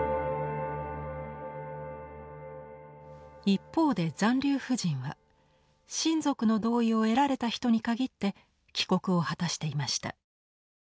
一方で残留婦人は親族の同意を得られた人に限って帰国を果たしていました。